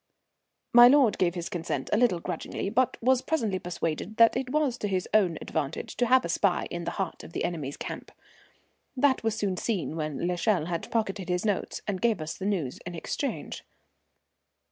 My lord gave his consent a little grudgingly, but was presently persuaded that it was to his own advantage to have a spy in the heart of the enemy's camp. That was soon seen when l'Echelle had pocketed his notes and gave us the news in exchange.